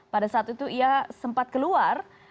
pada saat itu ia sempat keluar